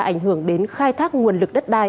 ảnh hưởng đến khai thác nguồn lực đất đai